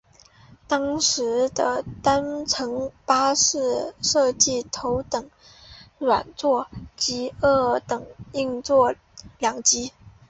当时的单层巴士设有头等软座及二等硬座两级。